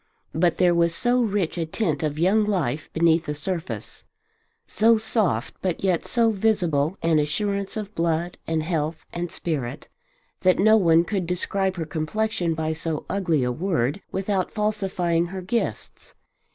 But there was so rich a tint of young life beneath the surface, so soft but yet so visible an assurance of blood and health and spirit, that no one could describe her complexion by so ugly a word without falsifying her gifts.